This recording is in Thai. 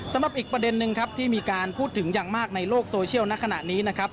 สำหรับอีกประเด็นนึงครับที่มีการพูดถึงอย่างมากในโลกโซเชียลณขณะนี้นะครับ